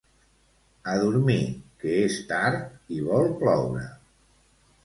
A dormir que és tard i vol ploure